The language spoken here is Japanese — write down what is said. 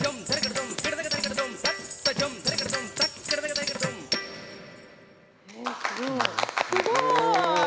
えすごい。